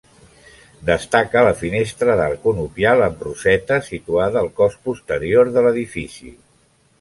Destaca la finestra d'arc conopial amb roseta situada al cos posterior de l'edifici.